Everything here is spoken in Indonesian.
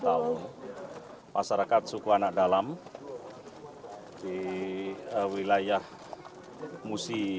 atau masyarakat suku anak dalam di wilayah musi